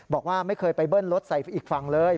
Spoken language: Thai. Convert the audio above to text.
บอกว่าไม่เคยไปเบิ้ลรถใส่อีกฝั่งเลย